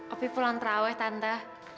opi pulang terawih tante